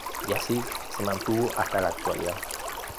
Y así se mantuvo hasta la actualidad.